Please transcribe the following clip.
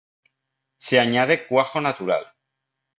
Se añade cuajo natural.